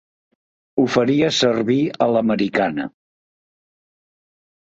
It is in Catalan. Ho faries servir a l'americana.